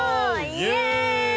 イエイ！